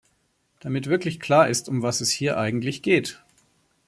Damit wirklich klar ist, um was es hier eigentlich geht!